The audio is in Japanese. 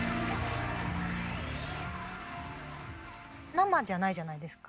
生じゃないじゃないですか。